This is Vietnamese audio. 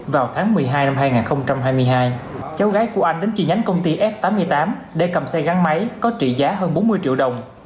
vào tháng một mươi hai năm hai nghìn hai mươi hai cháu gái của anh đến chi nhánh công ty f tám mươi tám để cầm xe gắn máy có trị giá hơn bốn mươi triệu đồng